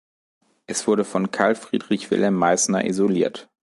Es wurde von Carl Friedrich Wilhelm Meißner isoliert.